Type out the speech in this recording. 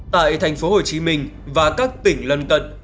tại thành phố hồ chí minh và các tỉnh lân cận